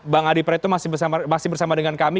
bang adi praetno masih bersama dengan kami